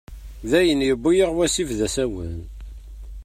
Dayen, yuwi-aɣ wasif d asawen.